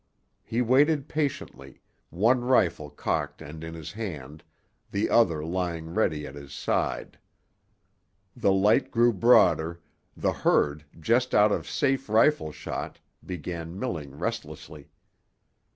He waited patiently, one rifle cocked and in his hand, the other lying ready at his side. The light grew broader; the herd, just out of safe rifle shot, began milling restlessly.